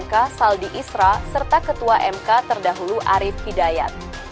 mk saldi isra serta ketua mk terdahulu arief hidayat